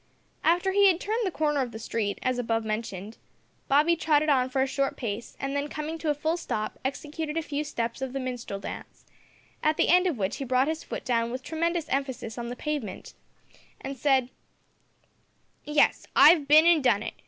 After he had turned the corner of the street, as above mentioned, Bobby trotted on for a short space, and then, coming to a full stop, executed a few steps of the minstrel dance, at the end of which he brought his foot down with tremendous emphasis on the pavement, and said "Yes, I've bin an' done it.